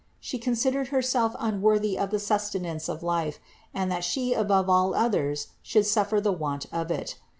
She con sidered Herself unworthy of the sustenance of life, and that She above all others should suffer the want of it.